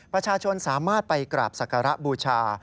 ประชาชนสามารถไปกราบศักระบูชา